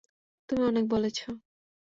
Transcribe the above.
তুমি অনেক বলেছো।